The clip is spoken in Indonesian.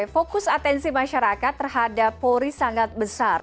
fokus atensi masyarakat terhadap polri sangat besar